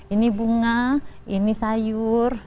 ini bunga ini sayur